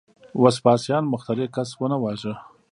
وسپاسیان مخترع کس ونه واژه.